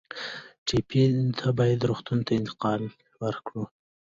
ټپي ته باید روغتون ته انتقال ورکړو.